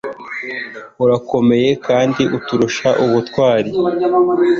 Arakomeye kandi aturusha ubutwari